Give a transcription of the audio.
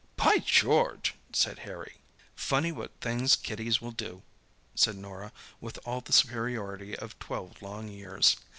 "By George!" said Harry. "Funny what things kiddies will do!" said Norah, with all the superiority of twelve long years.